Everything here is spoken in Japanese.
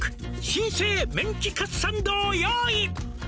新生メンチカツサンドを用意」